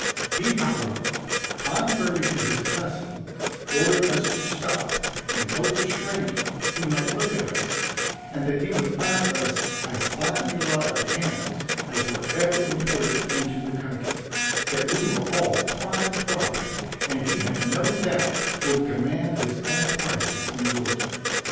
He, however, contrary to his custom, ordered us to stop, and told the stranger he might look at us, and that he would find us as fine a lot of hands as were ever imported into the country that we were all prime property, and he had no doubt would command his own prices in Georgia.